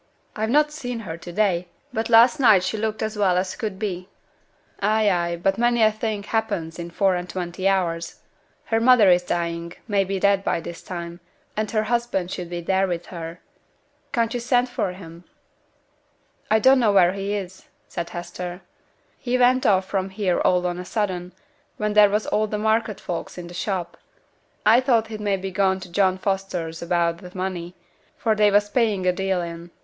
I've not seen her to day, but last night she looked as well as could be.' 'Ay, ay; but many a thing happens in four and twenty hours. Her mother is dying, may be dead by this time; and her husband should be there with her. Can't you send for him?' 'I don't know where he is,' said Hester. 'He went off from here all on a sudden, when there was all the market folks in t' shop; I thought he'd maybe gone to John Foster's about th' money, for they was paying a deal in.